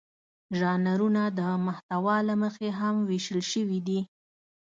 ژانرونه د محتوا له مخې هم وېشل شوي دي.